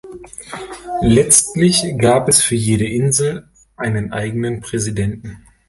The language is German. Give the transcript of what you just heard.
Letztlich gab es für jede Insel einen eigenen Präsidenten.